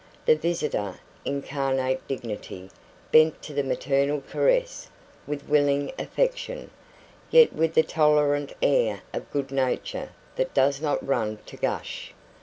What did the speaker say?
The visitor, incarnate dignity, bent to the maternal caress with willing affection, yet with the tolerant air of good nature that does not run to gush.